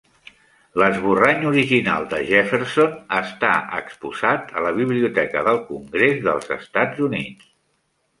L'esborrany original de Jefferson està exposat a la Biblioteca del Congrés dels Estats Units.